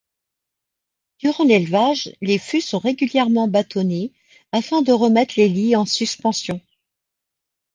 Durant l'élevage, les fûts sont régulièrement bâtonnés afin de remettre les lies en suspension.